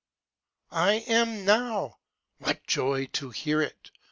I AM now, what joy to hear it!